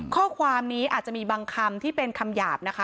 ข้อความนี้อาจจะมีบางคำที่เป็นคำหยาบนะคะ